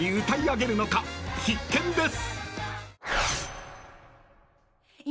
［必見です！］